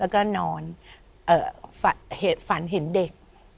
แล้วก็นอนฝันเห็นเด็ก